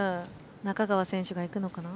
中川選手がいくのかな？